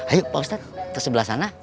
ayo pak ustadz tersebelah sana